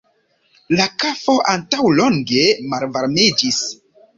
La kafo antaŭlonge malvarmiĝis.